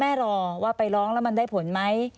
รอว่าไปร้องแล้วมันได้ผลไหม